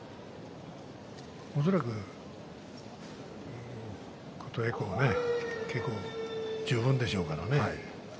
恐らく琴恵光、稽古十分でしょうから。